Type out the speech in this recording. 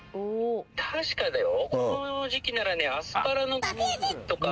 確かだよ。